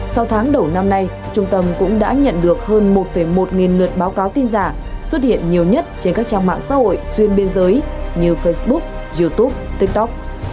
sau tháng đầu năm nay trung tâm cũng đã nhận được hơn một một nghìn lượt báo cáo tin giả xuất hiện nhiều nhất trên các trang mạng xã hội xuyên biên giới như facebook youtube tiktok